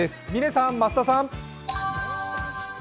嶺さん、増田さん。